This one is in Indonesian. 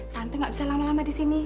tante gak bisa lama lama disini